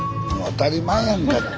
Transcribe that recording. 当たり前やんか。